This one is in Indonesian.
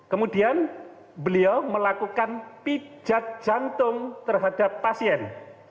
kemudian beliau melakukan pijat jantung terhadap pasien